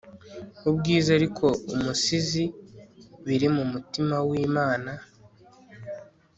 Ubwiza ariko umusizi biri mumutima wImana